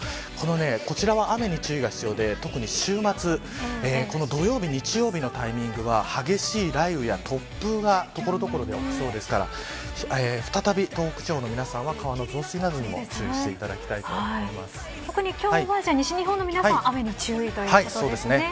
こちらは雨に注意が必要で特に週末土曜日、日曜日のタイミングは激しい雷雨や突風が所々で起きそうですから再び東北地方の皆さんは川の増水などにも特に今日は西日本の皆さん雨に注意ということですね。